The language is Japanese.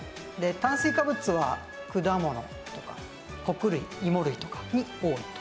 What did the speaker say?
炭水化物は果物とか穀類いも類とかに多いと。